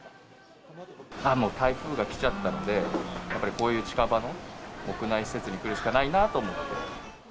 台風が来ちゃったので、やっぱりこういう近場の屋内施設に来るしかないなと思って。